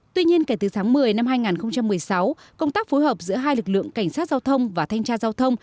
tuy nhiên kể từ tháng một mươi năm hai nghìn một mươi sáu công tác phối hợp giữa hai lực lượng cảnh sát giao thông và thanh tra giao thông